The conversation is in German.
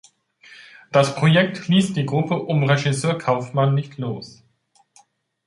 Das Projekt ließ die Gruppe um Regisseur Kaufman nicht los.